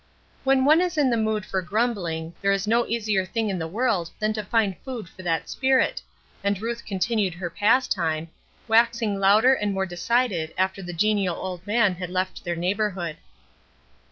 When one is in the mood for grumbling there is no easier thing in the world than to find food for that spirit, and Ruth continued her pastime, waxing louder and more decided after the genial old man had left their neighborhood.